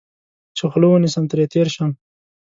چې خوله ونیسم، ترې تېر شوم.